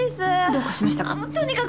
どうかしましたか？